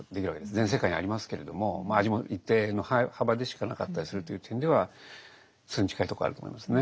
全世界にありますけれども味も一定の幅でしかなかったりするという点ではそれに近いところはあると思いますね。